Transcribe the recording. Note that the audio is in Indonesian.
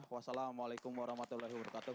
wassalamualaikum warahmatullahi wabarakatuh